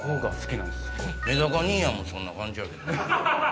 めだか兄やんもそんな感じやけど。